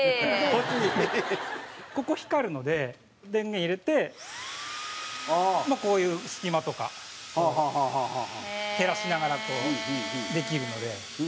ここ、光るので電源入れてこういう隙間とか照らしながらこう、できるので。